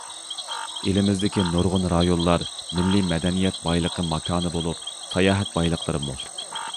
ئېلىمىزدىكى نۇرغۇن رايونلار مىللىي مەدەنىيەت بايلىقى ماكانى بولۇپ، ساياھەت بايلىقلىرى مول.